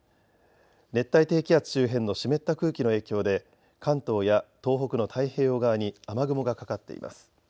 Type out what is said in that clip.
熱帯低気圧周辺の湿った空気の影響で関東や東北の太平洋側に雨雲がかかっています。